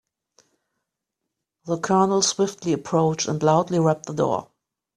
The colonel swiftly approached and loudly rapped the door.